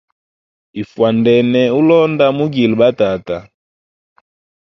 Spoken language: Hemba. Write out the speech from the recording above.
Ifwandene ulonda mugile batata.